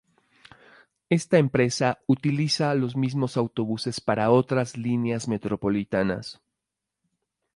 Esta empresa utiliza los mismos autobuses para otras líneas metropolitanas.